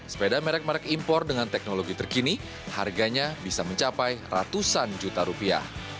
sepeda merek merek impor dengan teknologi terkini harganya bisa mencapai ratusan juta rupiah